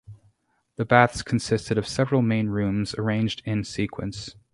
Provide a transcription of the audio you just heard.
The baths consisted of several main rooms arranged in sequence.